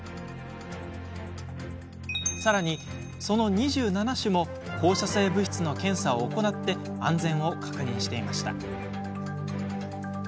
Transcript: さらに、その２７種も放射性物質の検査を行って安全を確認していました。